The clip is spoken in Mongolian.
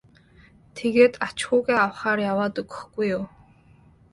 тэгээд ач хүүгээ авахаар яваад өгөхгүй юу.